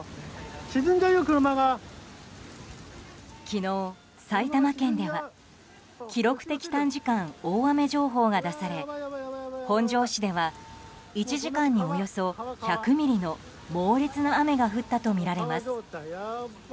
昨日、埼玉県では記録的短時間大雨情報が出され本庄市では１時間におよそ１００ミリの猛烈な雨が降ったとみられます。